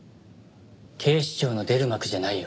警視庁の出る幕じゃないよ。